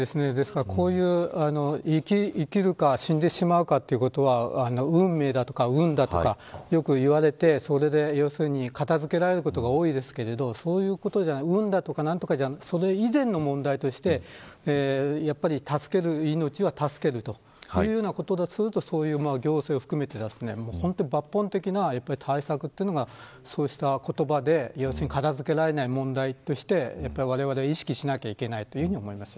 こういう生きるか死ぬかということは運命だとか運とかよく言われて片付けられることが多いですけど運とか、それ以前の問題としてやはり助ける命は助けるということは行政を含めて抜本的な対策というのがそうした言葉で片付けられない問題として、われわれは意識しなきゃいけないと思います。